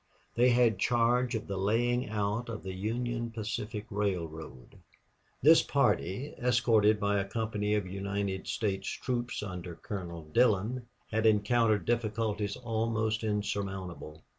They had charge of the laying out of the Union Pacific Railroad. This party, escorted by a company of United States troops under Colonel Dillon, had encountered difficulties almost insurmountable.